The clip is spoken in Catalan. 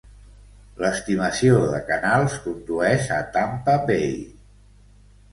L"estimació de canals condueix a Tampa Bay.